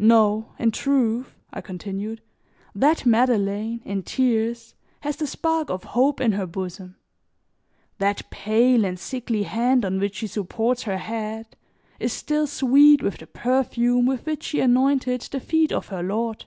"No, in truth," I continued, "that Madeleine, in tears, has the spark of hope in her bosom; that pale and sickly hand on which she supports her head, is still sweet with the perfume with which she anointed the feet of her Lord.